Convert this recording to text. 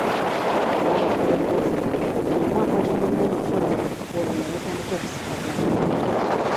Bo abakulembeze, buli omu akwata munne emikono olwo ne batandika okusikagana.